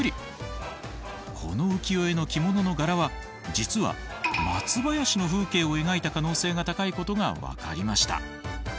この浮世絵の着物の柄は実は松林の風景を描いた可能性が高いことが分かりました。